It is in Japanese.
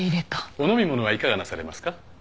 お飲み物はいかがなされますか？